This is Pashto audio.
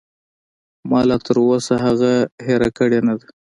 ما لاتر اوسه هغه هېره کړې نه ده.